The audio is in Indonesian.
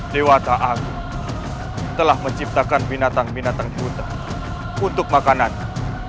dewata aku telah menciptakan binatang binatang putih untuk makanannya